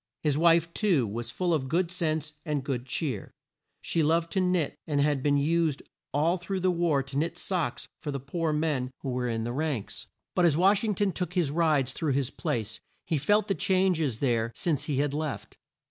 His wife, too, was full of good sense and good cheer. She loved to knit, and had been used all through the war to knit socks for the poor men who were in the ranks. But as Wash ing ton took his rides through his place, he felt the changes there since he had left.